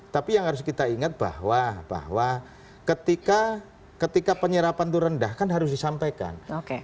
tapi yang harus kita ingat bahwa ketika penyerapan itu rendah kan harus disampaikan